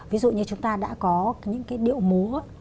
ví dụ như chúng ta đã có những cái điệu múa